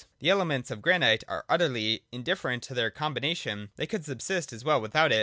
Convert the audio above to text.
The elements of granite are utterly indifferent to their combination : they could subsist as well without it.